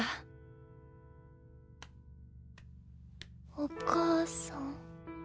お母さん？